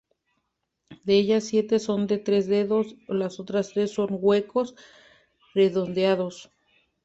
De ellas siete son de tres dedos y las otras tres son huecos redondeados.